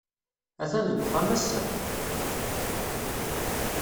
Atan deg uxxam ass-a.